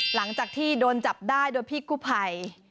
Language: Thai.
หลังจากที่โดนจับได้โดยพี่กู้ภัย